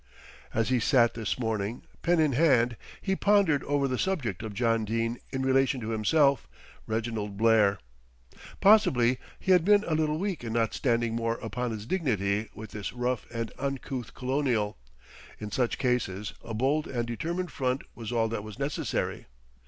As he sat this morning, pen in hand, he pondered over the subject of John Dene in relation to himself, Reginald Blair. Possibly he had been a little weak in not standing more upon his dignity with this rough and uncouth colonial. In such cases a bold and determined front was all that was necessary.